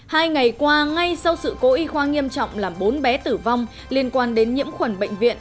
hai ngày qua ngay sau sự cố y khoa nghiêm trọng làm bốn bé tử vong liên quan đến nhiễm khuẩn bệnh viện